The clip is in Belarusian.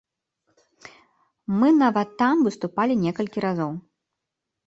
Мы нават там выступалі некалькі разоў.